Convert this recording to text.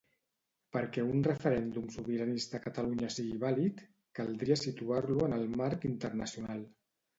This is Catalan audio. Perquè un referèndum sobiranista a Catalunya sigui vàlid, caldria situar-lo en el marc internacional.